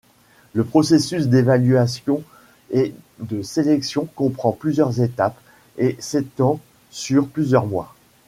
Le processus d'évaluation et de sélection comprend plusieurs étapes et s'étend sur plusieurs mois.